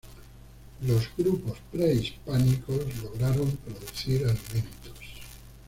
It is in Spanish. Los grupos prehispánicos lograron producir alimentos.